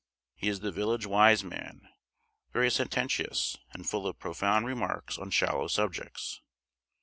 He is the village wise man; very sententious; and full of profound remarks on shallow subjects.